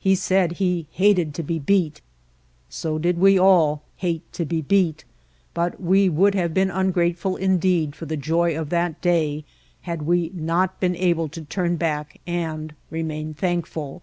He said he "hated to be The High White Peaks beat." So did we all "hate to be beat," but we would have been ungrateful indeed for the joy of that day had we not been able to turn back and remain thankful.